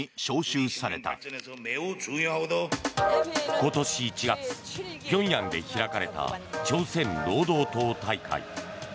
今年１月ピョンヤンで開かれた朝鮮労働党大会。